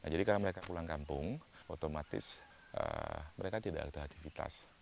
jadi karena mereka pulang kampung otomatis mereka tidak ada aktivitas